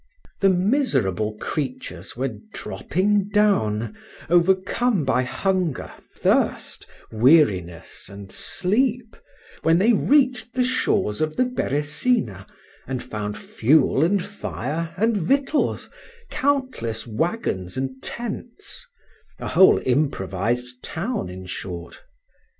The miserable creatures were dropping down, overcome by hunger, thirst, weariness, and sleep, when they reached the shores of the Beresina and found fuel and fire and victuals, countless wagons and tents, a whole improvised town, in short.